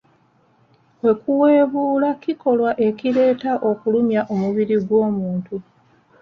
Okuwebuula kikolwa ekireeta okulumya omubiri gw'omuntu.